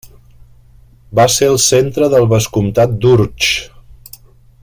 Va ser el centre del vescomtat d'Urtx.